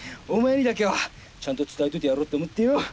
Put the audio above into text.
お前にだけはちゃんと伝えておいてやろうと思ってよ。